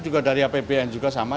juga dari apbn juga sama